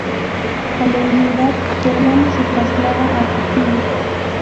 Al enviudar, Germana se traslada a Castilla.